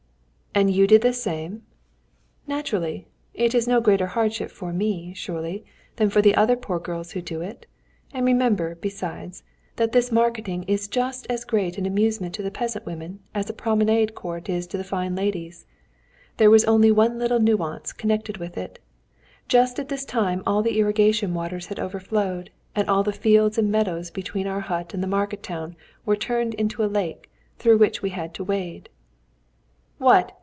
"And you did the same?" "Naturally! It is no greater hardship for me, surely, than for the other poor girls who do it. And remember, besides, that this marketing is just as great an amusement to the peasant women as a promenade concert is to fine ladies. There was only one little nuisance connected with it. Just at this time all the irrigation waters had overflowed, and all the fields and meadows between our hut and the market town were turned into a lake, through which we had to wade." "What!